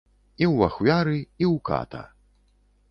І ў ахвяры, і ў ката.